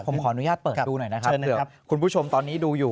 ผมขออนุญาตเปิดดูหน่อยนะครับเชิญครับคุณผู้ชมตอนนี้ดูอยู่